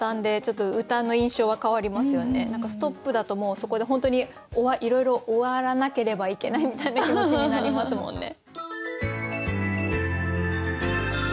確かに何か「ＳＴＯＰ」だともうそこで本当にいろいろ終わらなければいけないみたいな気持ちになりますもんね。